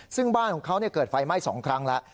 ซึ่งบ้านของเขาเกิดไฟไหม้๒ครั้งแล้ว